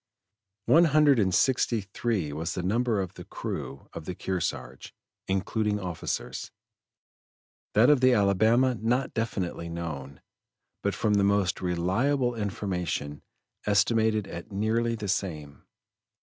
One hundred and sixty three was the number of the crew of the Kearsarge, including officers; that of the Alabama not definitely known, but from the most reliable information estimated at nearly the same.